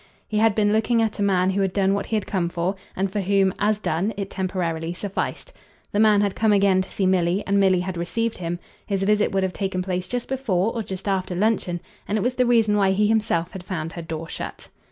He had been looking at a man who had done what he had come for, and for whom, as done, it temporarily sufficed. The man had come again to see Milly, and Milly had received him. His visit would have taken place just before or just after luncheon, and it was the reason why he himself had found her door shut.